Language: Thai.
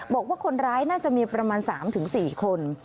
บอกว่าคนร้ายน่าจะมีประมาณ๓๔คน